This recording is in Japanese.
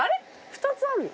２つあるの？